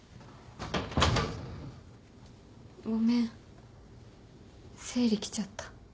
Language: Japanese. ごめん生理きちゃった。